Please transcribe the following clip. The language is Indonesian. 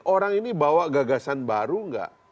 orang ini bawa gagasan baru nggak